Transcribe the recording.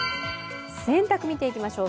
洗濯、見ていきましょう。